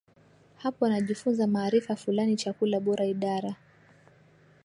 hapo anajifunza maarifa fulani chakula bora Idara